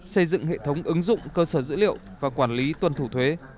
xây dựng hệ thống ứng dụng cơ sở dữ liệu và quản lý tuân thủ thuế